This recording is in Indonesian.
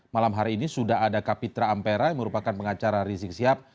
malam hari ini sudah ada kapitra ampera yang merupakan pengacara rizik sihab